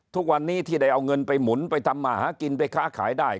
ทุกวันนี้ที่ได้เอาเงินไปหมุนไปทำมาหากินไปค้าขายได้